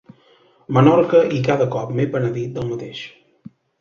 Menorca i cada cop m'he penedit del mateix.